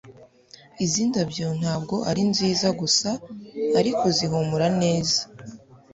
Izi ndabyo ntabwo ari nziza gusa ariko zihumura neza